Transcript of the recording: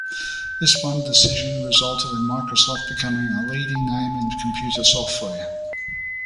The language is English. This one decision resulted in Microsoft becoming the leading name in computer software.